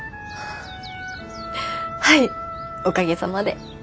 はいおかげさまで。